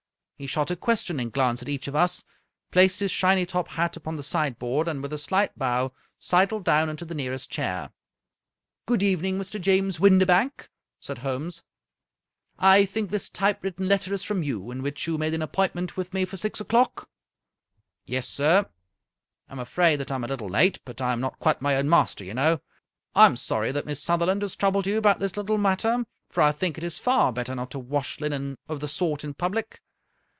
He shot a ques tioning glance at each of us, placed his shiny top hat upon the sideboard, and, with a slight bow, sidled down into the nearest chair. " Good evening, Mr. James Windibank," said Holmes. " I think this typewritten letter is from you, in which you made an appointment with me for six o'clock ?"" Yes, sir. I am afraid that I am a little late, but I am not quite my own master, you know. I am sorry that Miss Sutherland has troubled you about this little matter, for I think it is far better not to wash linen of the sort in public.